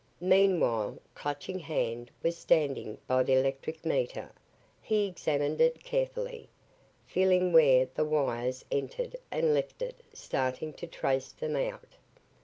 Meanwhile, Clutching Hand was standing by the electric meter. He examined it carefully, feeling where the wires entered and left it starting to trace them out.